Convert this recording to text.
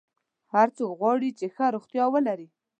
هر څوک غواړي چې ښه روغتیا ولري.